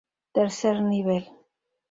Tercer nivel.